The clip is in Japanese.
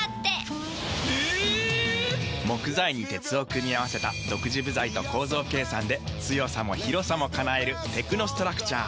木材に鉄を組み合わせた独自部材と構造計算で強さも広さも叶えるテクノストラクチャー。